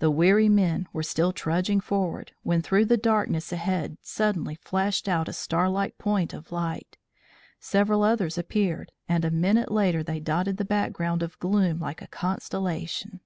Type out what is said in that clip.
The weary men were still trudging forward, when through the darkness ahead suddenly flashed out a star like point of light. Several others appeared and a minute after they dotted the background of gloom like a constellation.